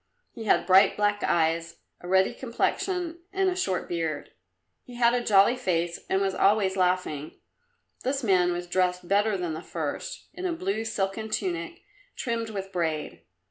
He had bright black eyes, a ruddy complexion and a short beard. He had a jolly face, and was always laughing. This man was dressed better than the first, in a blue silken tunic, trimmed with braid.